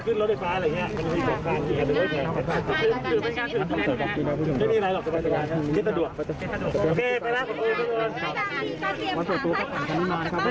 กลับไปรับเข้าทางนี่นะคะ